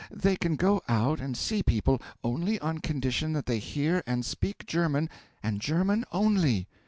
They can go out, and see people, only on condition that they hear and speak German, and German only.